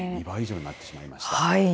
２倍以上になってしまいました。